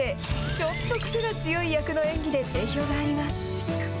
ちょっと癖が強い役の演技で定評があります。